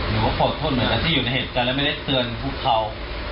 หนูก็ขอโทษเหมือนกันที่อยู่ในเหตุการณ์และไม่ได้เตือนพวกเขา